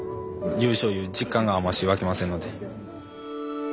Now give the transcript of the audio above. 優勝いう実感があんまし湧きませんので。